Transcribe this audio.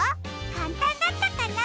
かんたんだったかな？